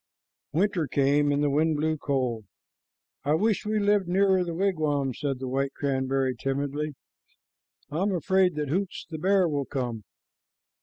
Winter came, and the wind blew cold. "I wish we lived nearer the wigwam," said the white cranberry timidly. "I am afraid that Hoots, the bear, will come.